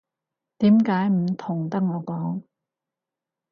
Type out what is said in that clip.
點解唔同得我講